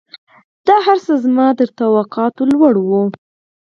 دا هرڅه زما تر توقعاتو لوړ وو.